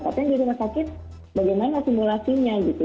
tapi yang di rumah sakit bagaimana simulasinya gitu